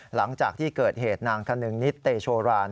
หลังจากที่เกิดเหตุนางธนึงนิตเตโชราน